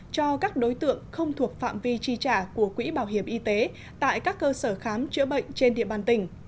cho các đối tượng không thuộc phạm vi chi trả của quỹ bảo hiểm y tế tại các cơ sở khám chữa bệnh trên địa bàn tỉnh